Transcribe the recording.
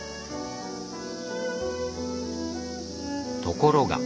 ところが。